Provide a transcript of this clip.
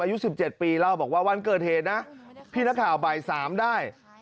อายุ๑๗ปีเล่าบอกว่าวันเกิดเหตุนะพี่นักข่าวบ่าย๓ได้